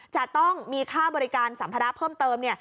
จะต้องมีค่าบริการสัมภาระเพิ่มเติม